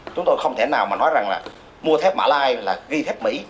chúng tôi không thể nào mà nói rằng là mua thép mã lai là ghi thép mỹ